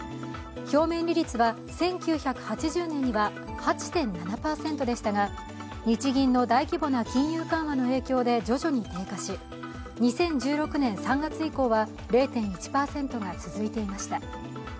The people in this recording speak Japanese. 表面利率は１９８０年には８．７％でしたが日銀の大規模な金融緩和の影響で徐々に低下し、２０１６年３月以降は０．１％が続いていました。